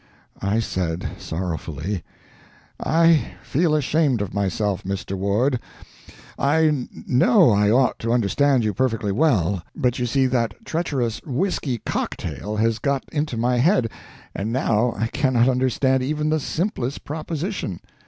I said, sorrowfully: "I feel ashamed of myself, Mr. Ward. I know I ought to understand you perfectly well, but you see that treacherous whisky cocktail has got into my head, and now I cannot understand even the simplest proposition.